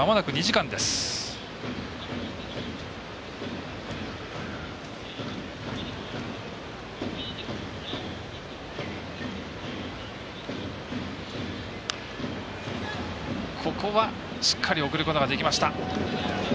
しっかり送ることができました。